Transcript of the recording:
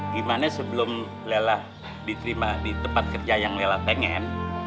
gimana sebelum lelah diterima di tempat kerja yang lela pengen